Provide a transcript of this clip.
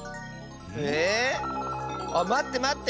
えっ？あっまってまって！